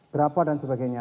berapa dan sebagainya